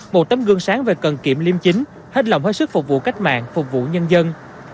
một tấm gương sáng về cần kiệm liêm chính hết lòng hết sức phục vụ cách mạng phục vụ nhân dân